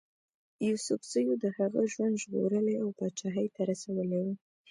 یوسفزیو د هغه ژوند ژغورلی او پاچهي ته رسولی وو.